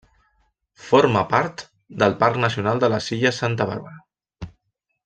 Forma part del Parc Nacional de les illes Santa Bàrbara.